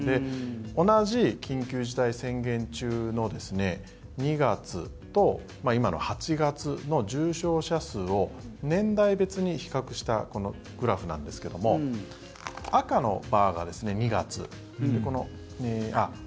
同じ緊急事態宣言中の２月と今の８月の重症者数を年代別に比較したグラフなんですけども青のバーが２月。